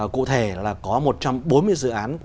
cụ thể là có một trăm bốn mươi dự án